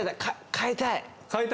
換えたい？